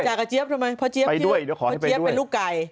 จ่ากับเจี๊ยบทำไมเพราะเจี๊ยบเป็นลูกไก่